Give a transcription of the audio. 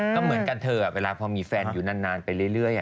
ก็เหมือนกันเธอเวลาพอมีแฟนอยู่นานไปเรื่อย